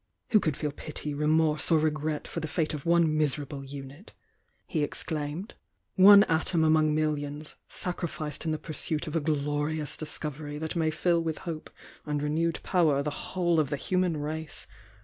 "Who could feel pity, remorse, or regret for the fate of one miserable unit," he exclaimed— "one atom among millions, sacrificed in the pursuit of a glorious discovery that may fill with hope and re newed power the whole of the human race!